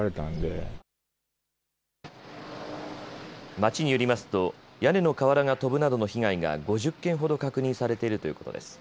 町によりますと屋根の瓦が飛ぶなどの被害が５０件ほど確認されているということです。